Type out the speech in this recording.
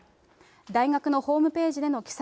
大学のホームページでの記載